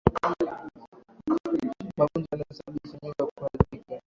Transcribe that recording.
Magonjwa yanayosababisha mimba kuharibika